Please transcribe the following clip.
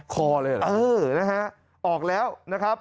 คอเลยเหรอเออนะฮะออกแล้วนะครับ